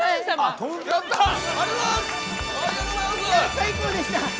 最高でした。